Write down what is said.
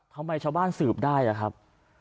ชาวบ้านสืบได้อะครับ